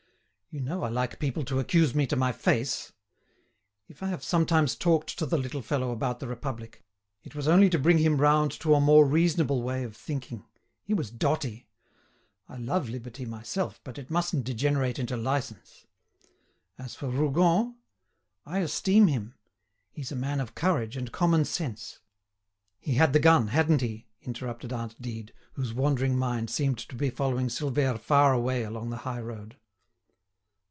"You know I like people to accuse me to my face. If I have sometimes talked to the little fellow about the Republic, it was only to bring him round to a more reasonable way of thinking. He was dotty. I love liberty myself, but it mustn't degenerate into license. And as for Rougon, I esteem him. He's a man of courage and common sense." "He had the gun, hadn't he?" interrupted aunt Dide, whose wandering mind seemed to be following Silvère far away along the high road.